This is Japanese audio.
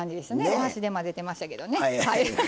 お箸で混ぜてましたけどね。